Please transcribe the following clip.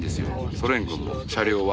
ソ連軍も車両は。